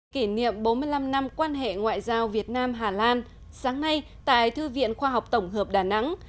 kỷ niệm bốn mươi năm năm quan hệ ngoại giao việt nam hà lan sáng nay tại thư viện khoa học tổng hợp đà nẵng